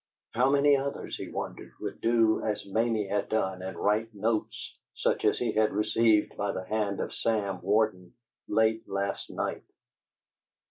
How many others, he wondered, would do as Mamie had done and write notes such as he had received by the hand of Sam Warden, late last night?